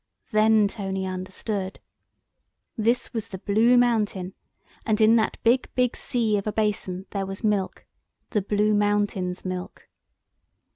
Then Tony understood. This was the "Blue Mountain," and in that big big sea of a basin there was milk—the Blue Mountain's milk.